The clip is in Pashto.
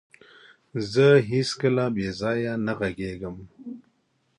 زه هيڅکله بيځايه نه غږيږم.